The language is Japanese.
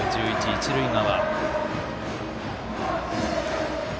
一塁側。